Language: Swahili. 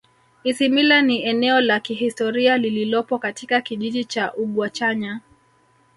Isimila ni eneo la kihistoria lililopo katika kijiji cha Ugwachanya